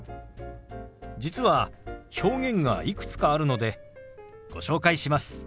実は表現がいくつかあるのでご紹介します。